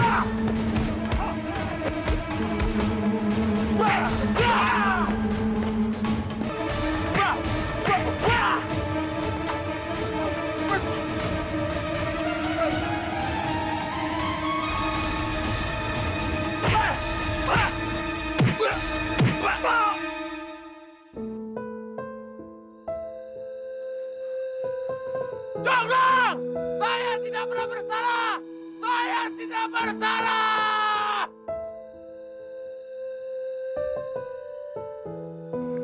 jangan saya tidak pernah bersalah saya tidak bersalah